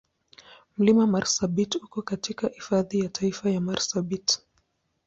Mlima Marsabit uko katika Hifadhi ya Taifa ya Marsabit.